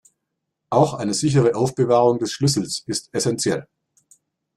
Auch eine sichere Aufbewahrung des Schlüssels ist essentiell.